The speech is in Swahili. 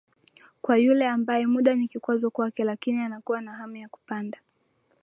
kwa yule ambae muda ni kikwazo kwake lakini anakuwa na hamu ya kupanda